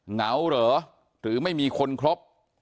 เหงาเหรอหรือไม่มีคนครบ